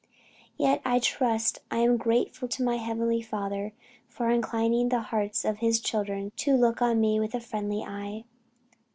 "Yet I trust I am grateful to my Heavenly Father for inclining the hearts of his children to look on me with a friendly eye.